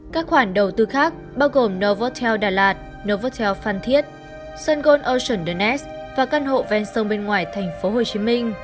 các khoản đầu tư khác bao gồm novotel đà lạt novotel phan thiết sun gold ocean the nest và căn hộ ven sông bên ngoài tp hcm